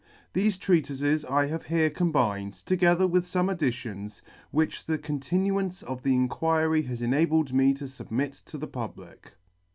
Thefe Treatifes I have here combined, together with fome additions, which the continuance of the Inquiry has enabled me to fubmit to the public.